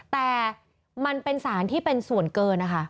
แต่มันเป็นสารที่เป็นส่วนเกินนะคะ